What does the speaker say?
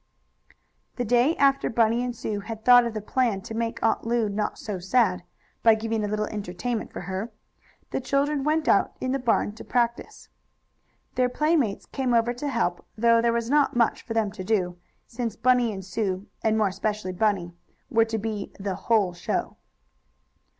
The day after Bunny and Sue had thought of the plan to make Aunt Lu not so sad, by giving a little entertainment for her, the children went out in the barn to practise. Their playmates came over to help, though there was not much for them to do, since Bunny and Sue (and more especially Bunny) were to be the "whole show."